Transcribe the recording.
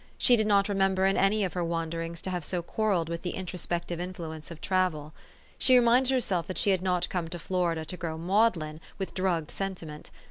She did not remember in any of her wanderings to have so quar relled with the introspective influence of travel. She reminded herself that she had not come to Florida to grow maudlin with drugged sentiment.